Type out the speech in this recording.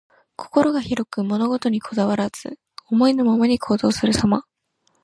心が広く、物事にこだわらず、思いのままに行動するさま。